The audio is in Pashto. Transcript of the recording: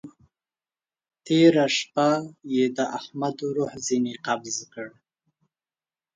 تېره شپه يې د احمد روح ځينې قبض کړه.